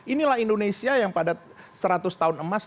inilah indonesia yang pada seratus tahun emas